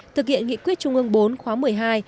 thực hiện nghị quyết trung ương bốn khóa một mươi hai